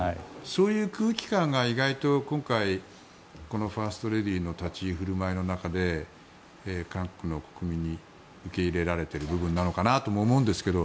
そういう空気感が意外と今回ファーストレディーの立ち居振る舞いの中で韓国の国民に受け入れられている部分なのかなと思うんですけど。